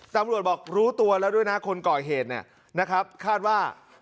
ตำรวจบอกรู้ตัวแล้วด้วยนะคนก่อเหตุเนี่ยนะครับคาดว่า